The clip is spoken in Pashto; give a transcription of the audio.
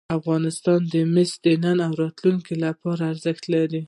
افغانستان کې مس د نن او راتلونکي لپاره ارزښت لري.